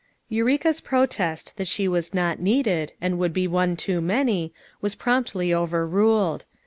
Eureka's protest that she was not needed and would bo one too many, was promptly over ruled.